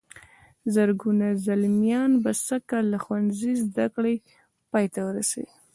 زرګونه زلميان به سږ کال د ښوونځي زدهکړې پای ته ورسوي.